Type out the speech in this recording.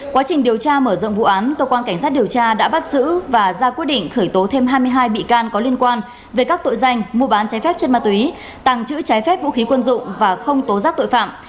quá trình điều tra mở rộng vụ án cơ quan cảnh sát điều tra đã bắt giữ và ra quyết định khởi tố thêm hai mươi hai bị can có liên quan về các tội danh mua bán trái phép chất ma túy tàng trữ trái phép vũ khí quân dụng và không tố giác tội phạm